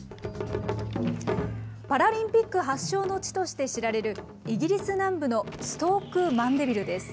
パラリンピック発祥の地として知られる、イギリス南部のストーク・マンデビルです。